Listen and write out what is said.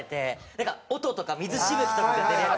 なんか音とか水しぶきとか出てるやつ。